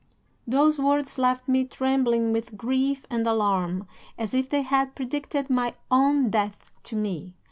"'Those words left me trembling with grief and alarm, as if they had predicted my own death to me.